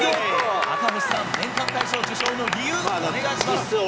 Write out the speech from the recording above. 赤星さん、年間大賞受賞の理由をお願いします。